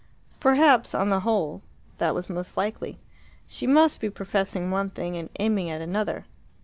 Perhaps, on the whole, that was most likely. She must be professing one thing and aiming at another.